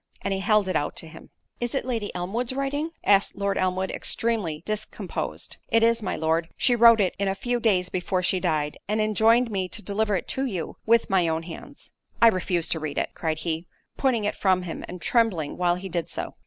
And he held it out to him. "Is it Lady Elmwood's writing?" asked Lord Elmwood, extremely discomposed. "It is, my Lord.—She wrote it a few days before she died, and enjoined me to deliver it to you, with my own hands." "I refuse to read it:" cried he, putting it from him—and trembling while he did so.